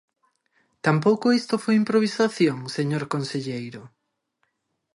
¿Tampouco isto foi improvisación, señor conselleiro?